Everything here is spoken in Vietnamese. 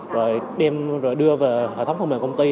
rồi đưa về hệ thống phong mềm công ty